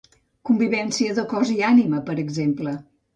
Convivència de cos i ànima, per exemple.